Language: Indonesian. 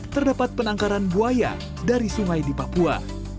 terdapat penangkaran buaya dari sungai di papua